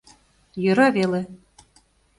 Йӧра веле.